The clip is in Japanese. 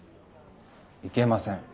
いけません。